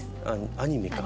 アニメか。